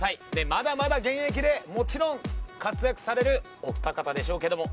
まだまだ現役でもちろん活躍されるお二方でしょうけども。